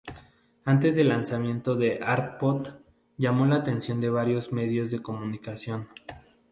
Antes del lanzamiento de "Artpop" llamó la atención de varios medios de comunicación.